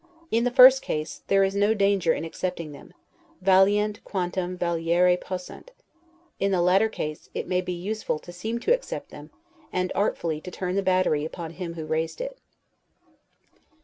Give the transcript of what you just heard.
In the first case, there is no danger in accepting them, 'valeant quantum valere possunt'. In the latter case, it may be useful to seem to accept them, and artfully to turn the battery upon him who raised it.